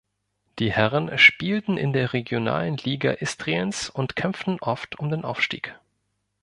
Die Herren spielten in der Regionalen Liga Istriens und kämpften oft um den Aufstieg.